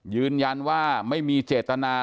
ยืนยันว่าไม่มีเจตนา